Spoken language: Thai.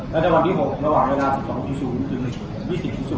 แล้วจะวันที่๖ระหว่างเวลา๑๒๐๐จ๒๑๐๐นะครับ